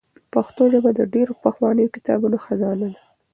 پښتو ژبه د ډېرو پخوانیو کتابونو خزانه ده.